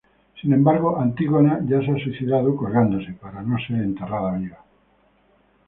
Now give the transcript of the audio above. Sin embargo, Antígona ya se ha suicidado colgándose, para no ser enterrada viva.